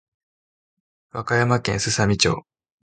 和歌山県すさみ町